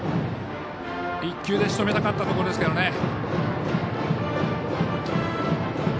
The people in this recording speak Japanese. １球でしとめたかったところですけどね。